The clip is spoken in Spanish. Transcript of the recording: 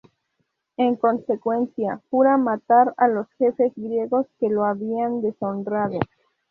En consecuencia, jura matar a los jefes griegos que lo habían deshonrado.